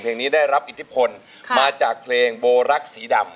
เพลงนี้ได้รับอิทธิพลมาจากเพลงโบรักษ์สีดำ